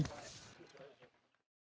cảnh sát biển trong quá trình đánh bắt trên biển